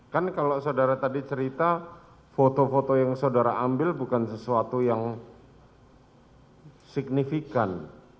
kan kalau saudara tadi cerita foto foto yang saudara ambil bukan sesuatu yang signifikan